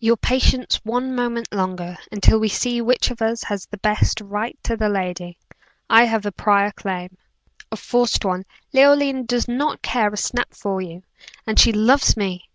"Your patience one moment longer, until we see which of us has the best right to the lady. I have a prior claim." "A forced one. Leoline does not care a snap far you and she loves me."